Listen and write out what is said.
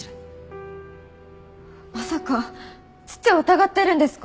まさか父を疑ってるんですか！？